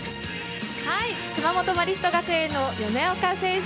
熊本マリスト学園の米岡先生。